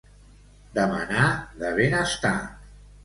Demanar de ben estar.